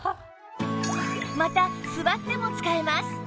また座っても使えます